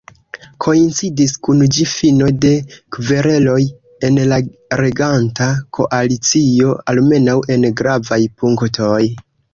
Koincidis kun ĝi fino de kvereloj en la reganta koalicio, almenaŭ en gravaj punktoj.